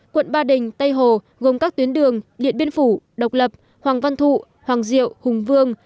quận ba đình tây hồ gồm các tuyến đường điện biên phủ độc lập hoàng văn thụ hoàng diệu hùng vương